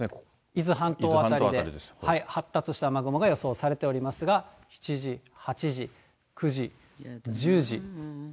伊豆半島辺りで発達した雨雲が予想されておりますが、７時、８時、９時、１０時、１１時、０時。